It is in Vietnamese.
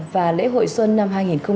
và lễ hội xuân năm hai nghìn hai mươi